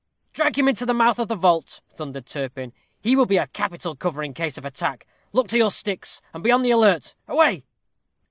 "Drag him into the mouth of the vault," thundered Turpin: "he will be a capital cover in case of attack. Look to your sticks, and be on the alert; away!"